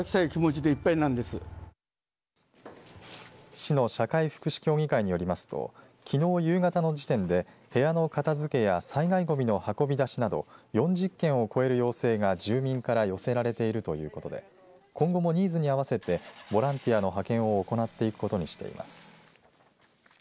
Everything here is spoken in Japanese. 市の社会福祉協議会によりますときのう夕方の時点で部屋の片づけや災害ごみの運び出しなど４０件を超える要請が住民から寄せられているということで今後もニーズに合わせてボランティアの派遣を行っていくことにしています。